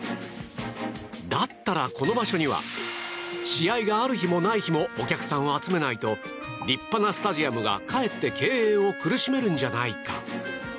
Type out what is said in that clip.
だったら、この場所には試合がある日もない日もお客さんを集めないと立派なスタジアムが、かえって経営を苦しめるんじゃないか。